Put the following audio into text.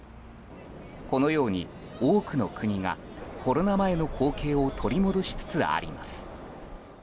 このように多くの国がコロナ前の光景を取り戻しつつあります。